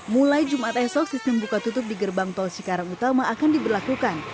mulai jumat esok sistem buka tutup di gerbang tol cikarang utama akan diberlakukan